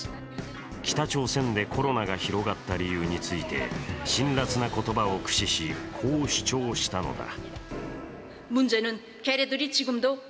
北朝鮮でコロナが広がった理由について辛らつな言葉を駆使しこう主張したのだ。